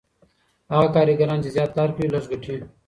هغه کارګران چي زیات کار کوي لږ ګټي.